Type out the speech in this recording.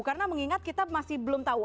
karena mengingat kita masih belum tahu